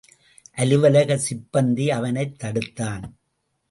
அலுவலக சிப்பந்தி அவனைத் தடுத்தான்.